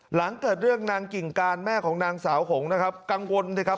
หลังเกิดเรื่องนางกิ่งการแม่ของนางสาวหงนะครับกังวลสิครับ